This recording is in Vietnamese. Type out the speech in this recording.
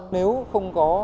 nếu không có